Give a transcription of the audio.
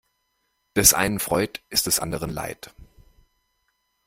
Des einen Freud ist des anderen Leid.